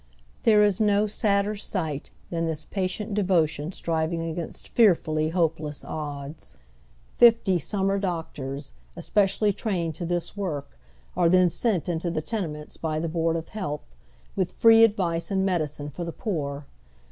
There is no sadder sight than this patient devo tion strivingagainst feai fully hopeless odds. Fifty " sum mer doctors," especially trained to this work, are then sent into the tenements by the Board of Health, with free advice and medicine for the poor.